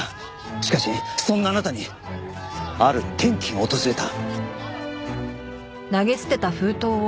しかしそんなあなたにある転機が訪れた。